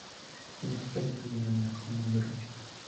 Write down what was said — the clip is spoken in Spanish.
En España se unió a la Columna Durruti.